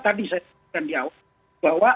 tadi saya sebutkan di awal bahwa